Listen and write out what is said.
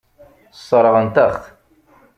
Sseṛɣent-aɣ-t.